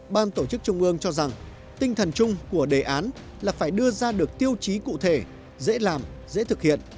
ban tổ chức trung ương cho rằng tinh thần chung của đề án là phải đưa ra được tiêu chí cụ thể dễ làm dễ thực hiện